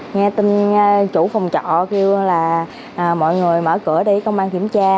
nghe tin chủ phòng trọ kêu là mọi người mở cửa đi công an kiểm tra